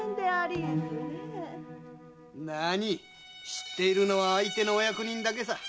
なあに知っているのは相手のお役人だけさ。